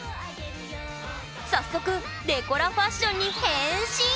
早速デコラファッションに変身！